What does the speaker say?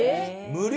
無料！？